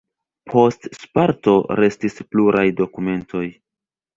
Post Sparto restis pluraj dokumentoj.